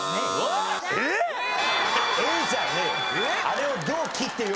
えっ？